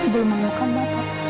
dia memang bukan bapak